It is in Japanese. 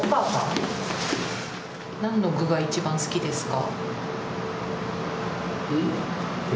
なんの具が一番好きですか？